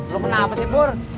lu kenapa sih pur